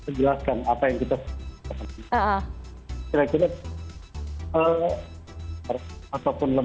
mungkin kita jelaskan apa yang kita